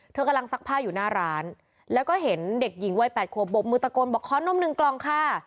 กำลังซักผ้าอยู่หน้าร้านแล้วก็เห็นเด็กหญิงวัย๘ขวบบมือตะโกนบอกขอนมหนึ่งกล่องค่ะ